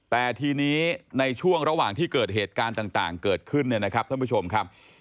แต่ทีนี้ในช่วงระหว่างที่เกิดเหตุการณ์ต่างเกิดขึ้นเนี่ยนะครับท่านผู้ชมครับ